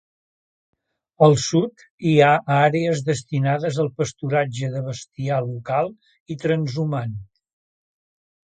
Al sud hi ha àrees destinades al pasturatge de bestiar local i transhumant.